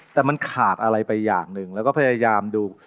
แต่มันขาดอะไรไปอย่างหนึ่งแล้วก็พยายามดู